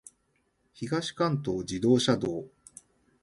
東関東自動車道